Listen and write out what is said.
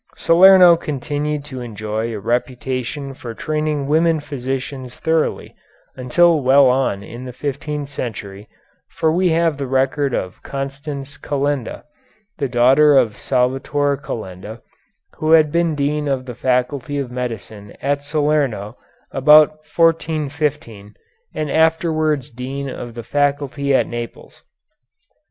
Salerno continued to enjoy a reputation for training women physicians thoroughly, until well on in the fifteenth century, for we have the record of Constance Calenda, the daughter of Salvator Calenda, who had been dean of the faculty of medicine at Salerno about 1415, and afterwards dean of the faculty at Naples.